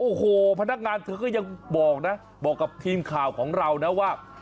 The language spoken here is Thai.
โอ้โหพนักงานเธอก็ยังบอกนะบอกกับทีมข่าวของเรานะว่า